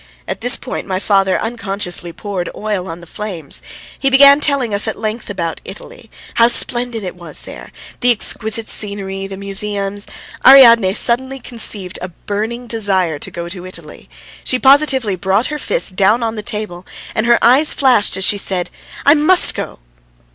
At this point my father unconsciously poured oil on the flames; he began telling us at length about Italy, how splendid it was there, the exquisite scenery, the museums. Ariadne suddenly conceived a burning desire to go to Italy. She positively brought her fist down on the table and her eyes flashed as she said: "I must go!"